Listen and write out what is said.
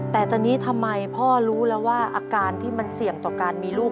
แต่ตอนนี้ทำไมพ่อรู้แล้วว่าอาการที่มันเสี่ยงต่อการมีลูก